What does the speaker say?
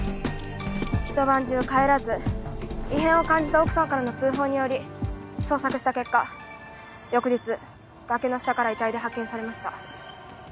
ひと晩中帰らず異変を感じた奥さんからの通報により捜索した結果翌日崖の下から遺体で発見されました。